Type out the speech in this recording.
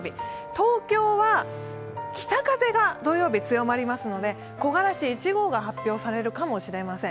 東京は北風が土曜日強まりますので木枯らし１号が発表されるかもしれません。